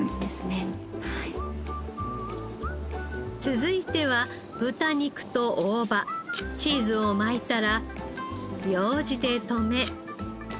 続いては豚肉と大葉チーズを巻いたらようじで留め。